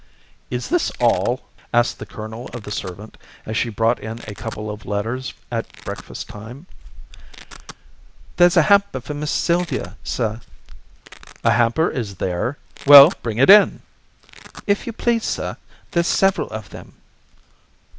"Is this all?" asked the colonel of the servant, as she brought in a couple of letters at breakfast time. "There's a hamper for Miss Sylvia, sir." "A hamper, is there? Well, bring it in." "If you please, sir, there's several of them."